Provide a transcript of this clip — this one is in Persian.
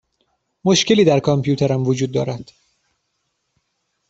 مشکلی در کامپیوترم وجود دارد.